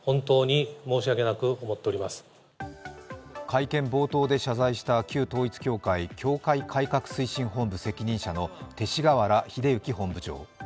会見冒頭で謝罪した旧統一教会、教会改革推進本部責任者の勅使河原秀行本部長。